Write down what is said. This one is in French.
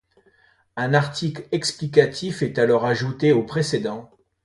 Un article explicitatif est alors ajouté au précédent.